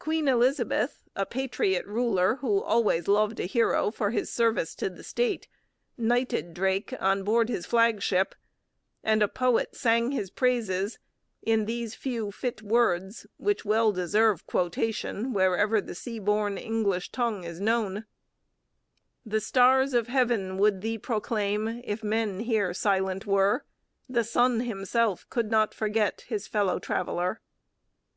Queen Elizabeth, a patriot ruler who always loved a hero for his service to the state, knighted Drake on board his flagship; and a poet sang his praises in these few, fit words, which well deserve quotation wherever the sea borne English tongue is known: The Stars of Heaven would thee proclaim, If men here silent were. The Sun himself could not forget His fellow traveller.